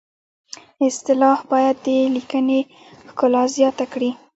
اصطلاح باید د لیکنې ښکلا زیاته کړي